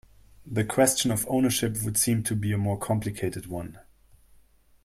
The question of ownership would seem to be a more complicated one.